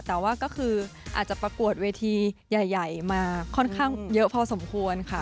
แต่ว่าก็คืออาจจะประกวดเวทีใหญ่มาค่อนข้างเยอะพอสมควรค่ะ